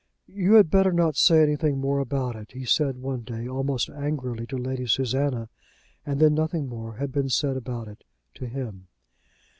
"You had better not say anything more about it," he said one day almost angrily to Lady Susanna, and then nothing more had been said about it to him.